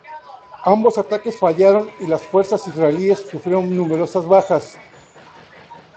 Ambos ataques fallaron y las fuerzas israelíes sufrieron numerosas bajas.